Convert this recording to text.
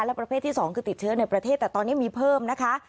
และประเภทที่๒คือติดเชื้อในประเทศแต่ตอนนี้มีเพิ่มนะคะ